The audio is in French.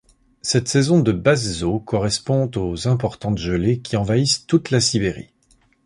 Cette saison de basses eaux correspond aux importantes gelées qui envahissent toute la Sibérie.